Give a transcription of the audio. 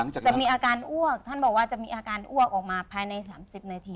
จะมีอาการอ้วกท่านบอกว่าจะมีอาการอ้วกออกมาภายใน๓๐นาที